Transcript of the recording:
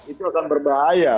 itu akan berbahaya